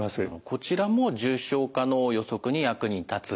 こちらも重症化の予測に役に立つ。